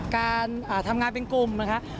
การทำงานเป็นกลุ่มนะคะ